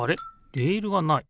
レールがない。